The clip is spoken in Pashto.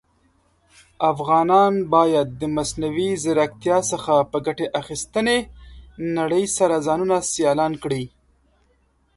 افغانان بايد د مصنوعى ځيرکتيا څخه په ګټي اخيستنې نړئ سره ځانونه سيالان کړى.